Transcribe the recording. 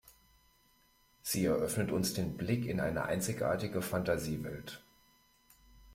Sie eröffnet uns den Blick in eine einzigartige Fantasiewelt.